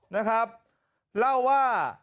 นะครับเล่าว่า